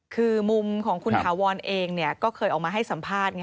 คือมุมของคุณถาวรเองก็เคยออกมาให้สัมภาษณ์ไง